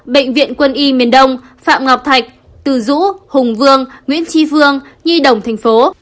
bệnh viện quân y miền đông phạm ngọc thạch từ dũ hùng vương nguyễn tri phương nhi đồng tp